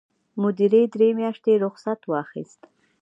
مدیرې درې میاشتې رخصت واخیست.